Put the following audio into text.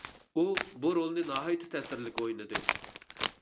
ئۇ، بۇ رولنى ناھايىتى تەسىرلىك ئوينىدى.